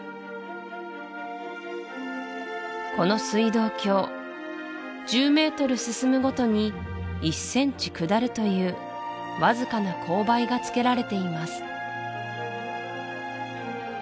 この水道橋１０メートル進むごとに１センチ下るというわずかな勾配がつけられています